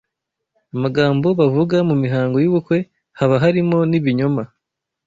Amagambo bavuga mu mihango y’ubukwe haba harimo n’ ibinyoma